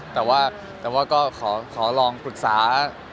แต่ว่าก็ขอลองปรึกษา